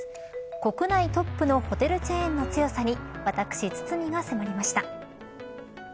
国内トップのホテルチェーンの強さに私、堤が迫りました。